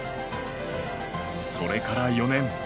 それから４年。